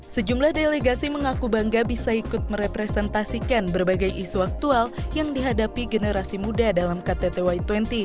sejumlah delegasi mengaku bangga bisa ikut merepresentasikan berbagai isu aktual yang dihadapi generasi muda dalam ktt y dua puluh